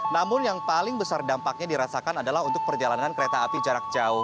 namun yang paling besar dampaknya dirasakan adalah untuk perjalanan kereta api jarak jauh